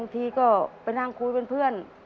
ทีก็ไปนั่งคุยเป็นเพื่อน